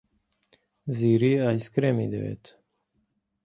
زیری ئایسکرێمی دەوێت.